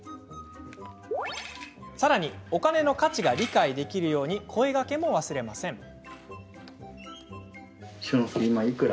さらに、お金の価値が理解できるように声がけも忘れません。